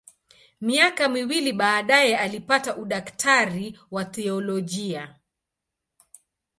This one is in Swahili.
Miaka miwili baadaye alipata udaktari wa teolojia.